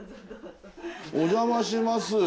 お邪魔します。